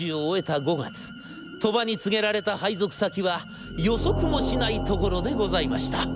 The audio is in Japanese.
鳥羽に告げられた配属先は予測もしないところでございました。